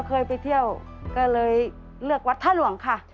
เคยไปเที่ยวก็เลยเลือกวัดท่าหลวงค่ะ